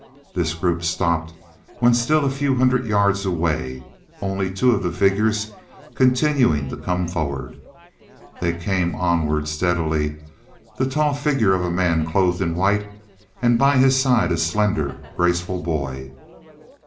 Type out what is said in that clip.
This group stopped when still a few hundred yards away, only two of the figures continuing to come forward. They came onward steadily, the tall figure of a man clothed in white, and by his side a slender, graceful boy.